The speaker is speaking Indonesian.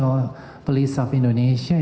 apakah itu juga diketahui